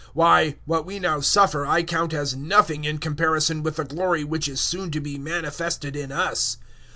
008:018 Why, what we now suffer I count as nothing in comparison with the glory which is soon to be manifested in us.